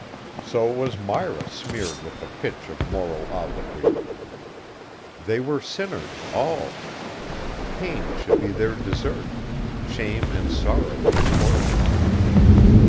So was Myra smeared with the pitch of moral obloquy. They were sinners all. Pain should be their desert; shame and sorrow their portion.